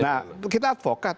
nah kita avokat